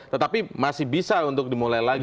tetapi masih bisa untuk dimulai lagi